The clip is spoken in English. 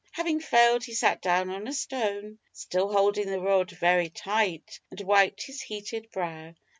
Having failed he sat down on a stone, still holding the rod very tight, and wiped his heated brow.